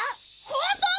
ホント！？